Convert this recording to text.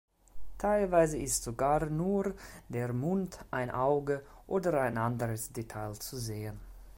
Teilweise ist sogar nur der Mund, ein Auge oder ein anderes Detail zu sehen.